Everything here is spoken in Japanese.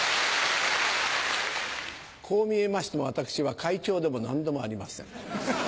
こう見えましても私は会長でも何でもありません。